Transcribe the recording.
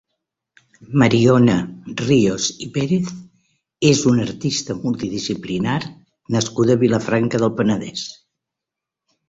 Mariona Ríos i Pérez és una artista multidisplinar nascuda a Vilafranca del Penedès.